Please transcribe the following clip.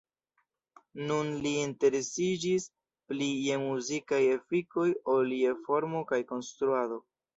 Nun, li interesiĝis pli je muzikaj efikoj ol je formo kaj konstruado.